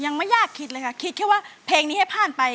ยังไม่ยากคิดเลยค่ะคิดแค่ว่าเพลงนี้ให้ผ่านไป